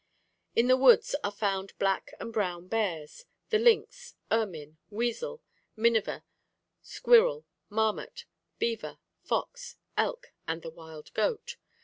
In the woods are found black and brown bears, the lynx, ermine, weasel, minever, squirrel, marmot, beaver, fox, elk, and the wild goat.